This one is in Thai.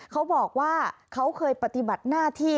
เขาบอกว่าเขาเคยปฏิบัติหน้าที่